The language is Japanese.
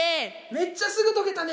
めっちゃすぐ解けたね。